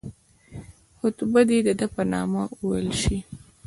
خطبه دي د ده په نامه وویل شي.